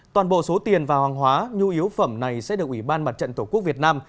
toàn bộ số tiền và hàng hóa nhu yếu phẩm này sẽ được ủy ban mặt trận tổ quốc việt nam